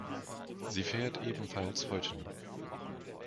Sie fährt ebenfalls heute noch.